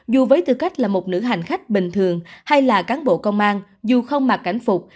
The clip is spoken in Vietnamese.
dù với tư cách là một nữ hành khách bình thường hay là cán bộ công an dù không mặc cảnh phục